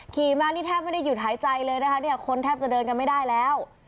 ขี่มานี่แทบไม่ได้หยุดหายใจเลยนะคะเนี่ยคนแทบจะเดินกันไม่ได้แล้ว